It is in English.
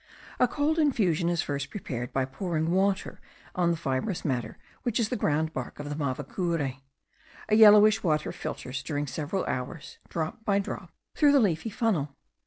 A cold infusion is first prepared by pouring water on the fibrous matter which is the ground bark of the mavacure. A yellowish water filters during several hours, drop by drop, through the leafy funnel.